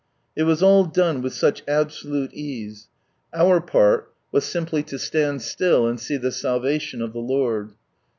It was all done with such absolute ease. Our part was simply to stand Still and see the salvation of the Lord.